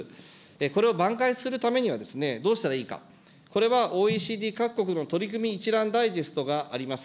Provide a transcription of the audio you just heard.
これを挽回するためには、どうしたらいいか、これは、ＯＥＣＤ各国の取り組み一覧ダイジェストがあります。